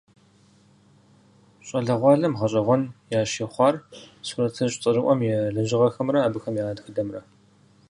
Щӏалэгъуалэм гъэщӀэгъуэн ящыхъуащ сурэтыщӀ цӀэрыӀуэм и лэжьыгъэхэмрэ абыхэм я тхыдэмрэ.